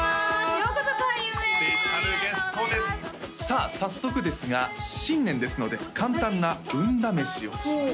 ようこそ開運へスペシャルゲストですさあ早速ですが新年ですので簡単な運試しをします